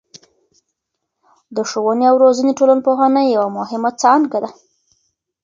د ښووني او روزني ټولنپوهنه یوه مهمه څانګه ده.